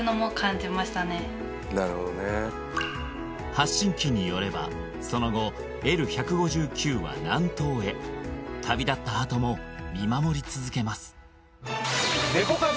発信機によればその後Ｌ−１５９は南東へ旅立ったあとも見守り続けます